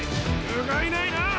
ふがいないな！